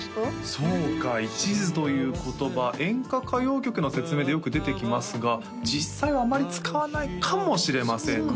そうか一途という言葉演歌歌謡曲の説明でよく出てきますが実際はあまり使わないかもしれませんね